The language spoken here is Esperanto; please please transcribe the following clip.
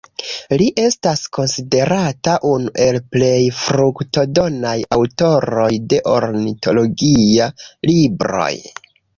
Li estas konsiderata unu el plej fruktodonaj aŭtoroj de ornitologia libroj.